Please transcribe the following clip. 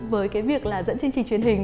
với cái việc là dẫn chương trình truyền hình